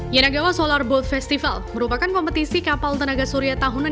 yanagawa solar boat festival merupakan kompetisi kapal tenaga surya tahunan